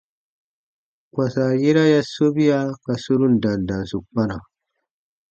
Kpãsa yera ya sobia ka sorun dandansu kpana.